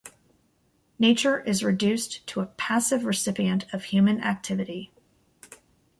Nature is reduced to a passive recipient of human activity.